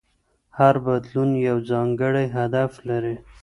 هر بدلون یو ځانګړی هدف لري.